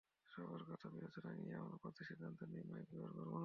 সবার কথা বিবেচনায় নিয়ে আমরা প্রার্থীরা সিদ্ধান্ত নিই, মাইক ব্যবহার করব না।